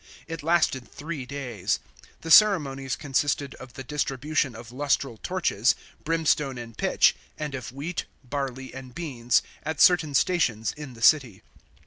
It lasted three days. The ceremonies consisted of the distribution of lustral torches, brimstone and pitch, and of wheat, barley, and beans, at certain stations in the city.